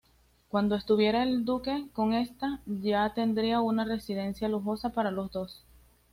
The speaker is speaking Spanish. Cuando estuviera el duque con esta, ya tendría una residencia lujosa para los dos.